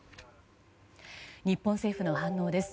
日本政府の反応です。